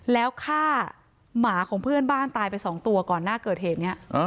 แล้วฆ่าหมาของเพื่อนบ้านตายไป๒ตัวก่อนหน้าเกิดเหตุนี้